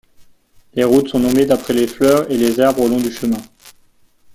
Les routes sont nommées d'après les fleurs et les arbres au long du chemin.